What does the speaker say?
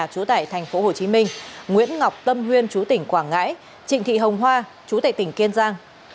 chủ tải tp hcm nguyễn ngọc tâm huyên chủ tỉnh quảng ngãi trịnh thị hồng hoa chủ tải tỉnh kiên giang